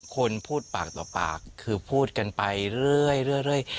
คนพูดปากต่อปากคือพูดกันไปเรื่อยเรื่อยเรื่อย